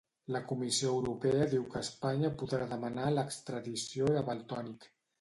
La Comissió Europea diu que Espanya podrà demanar l'extradició de Valtònyc.